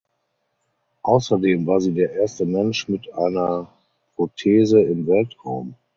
Außerdem war sie der erste Mensch mit einer Prothese im Weltraum.